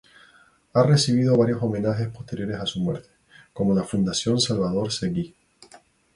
Ha recibido varios homenajes posteriores a su muerte, como la Fundación Salvador Seguí.